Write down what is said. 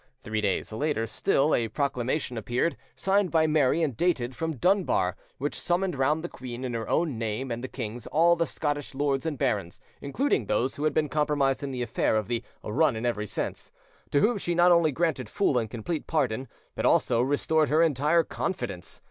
Three days later still, a proclamation appeared, signed by Mary and dated from Dunbar, which summoned round the queen, in her own name and the king's, all the Scottish lords and barons, including those who had been compromised in the affair of the "run in every sense," to whom she not only granted full and complete pardon, but also restored her entire confidence.